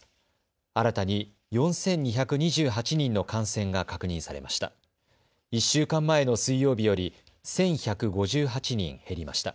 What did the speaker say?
新たに４２２８人の感染が確認されました。